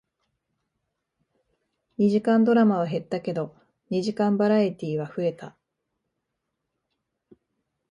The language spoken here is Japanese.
二時間ドラマは減ったけど、二時間バラエティーは増えた